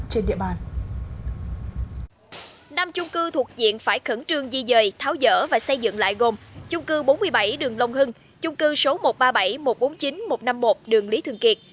năm chung cư thuộc diện phải khẩn trương di dời tháo dở và xây dựng lại gồm chung cư bốn mươi bảy đường long hưng chung cư số một trăm ba mươi bảy một trăm bốn mươi chín một trăm năm mươi một đường lý thường kiệt